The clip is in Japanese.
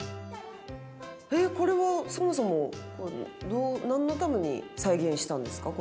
えっこれはそもそも何のために再現したんですか？